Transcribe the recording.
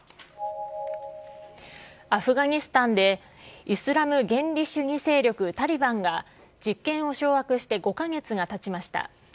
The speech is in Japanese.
アフガニスタンでイスラム原理主義勢力タリバンが実権を掌握して５か月がたちました。